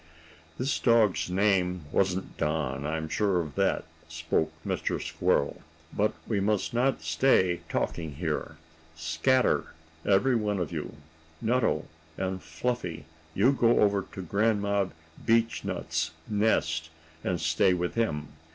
"This dog's name wasn't Don, I'm sure of that," spoke Mr. Squirrel. "But we must not stay talking here. Scatter, every one of you! Nutto and Fluffy, you go over to Grandpa Beechnut's nest, and stay with him.